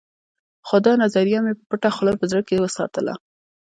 خو دا نظريه مې په پټه خوله په زړه کې وساتله.